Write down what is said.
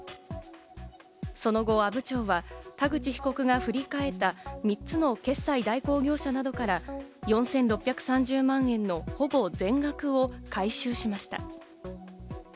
その後、阿武町は田口被告が振り替えた３つの決済代行業者などから４６３０万円のほぼ全額を回収しました。